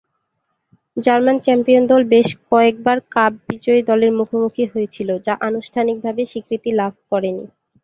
German champion দল বেশ কয়েকবার কাপ বিজয়ী দলের মুখোমুখি হয়েছিল, যা আনুষ্ঠানিকভাবে স্বীকৃতি লাভ করেনি।